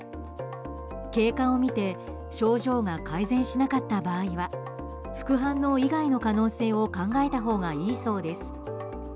経過を見て症状が改善しなかった場合は副反応以外の可能性を考えたほうがいいそうです。